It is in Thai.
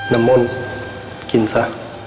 น้ำม่วนกินซะ